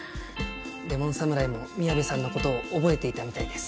レモン侍も宮部さんのことをおぼえていたみたいです。